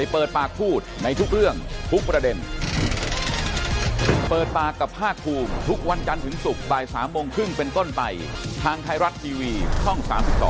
เปิดปากกับภาคภูมิทุกวันจันทร์ถึงศุกร์ใบ๓โมงครึ่งเป็นก้นไปทางไทยรัตน์ทีวีช่อง๓๒